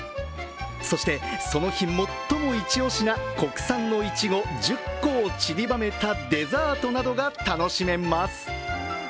そして、その日最も一押しな国産のいちご１０個をちりばめたデザートなどが楽しめます。